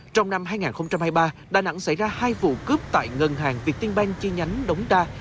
trong năm hai nghìn hai mươi ba đà nẵng xảy ra hai vụ cướp tại ngân hàng việt tiên banh chi nhánh đống đa